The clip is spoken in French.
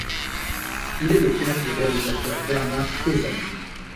Il est le père du réalisateur Bernard Queysanne.